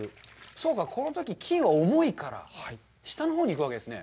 そうか、このとき、金は重いから、下のほうに行くわけですね。